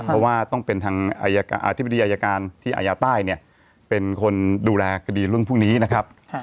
เพราะว่าต้องเป็นทางอธิบดีอายการที่อาญาใต้เป็นคนดูแลคดีรุ่นพวกนี้นะครับ